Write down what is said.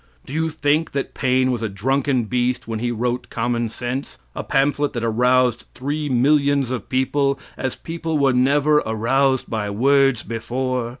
Do you think that Paine was a drunken beast when he wrote "Common Sense," a pamphlet that aroused three millions of people, as people were never aroused by words before?